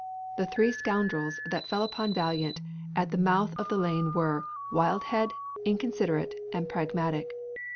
The three scoundrels that fell upon Valiant at the mouth of the lane were Wildhead, Inconsiderate, and Pragmatic.